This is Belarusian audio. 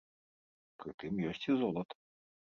Пры тым ёсць і золата.